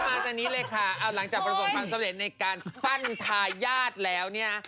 มาตอนนี้เลยค่ะเอาหลังจากประสบความสำเร็จในการปั้นทายาทแล้วเนี่ย